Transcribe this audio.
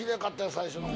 最初の子。